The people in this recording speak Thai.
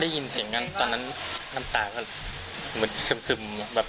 ได้ยินเสียงกันตอนนั้นน้ำตาก็เหมือนซึมแบบ